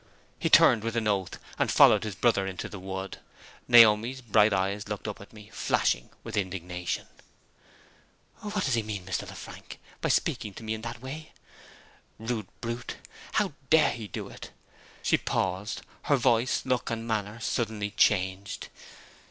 He turned with an oath, and followed his brother into the wood. Naomi's bright eyes looked up at me, flashing with indignation. "What does he mean, Mr. Lefrank, by speaking to me in that way? Rude brute! How dare he do it?" She paused; her voice, look and manner suddenly changed.